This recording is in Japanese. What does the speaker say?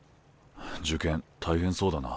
受験大変そうだな。